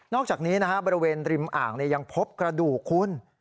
อกจากนี้บริเวณริมอ่างยังพบกระดูกคุณ